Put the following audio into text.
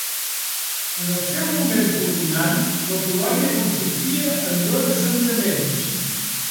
En el seu moment culminant la colònia consistia en dos assentaments.